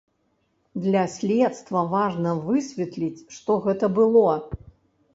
Для следства важна, высветліць, што гэта было.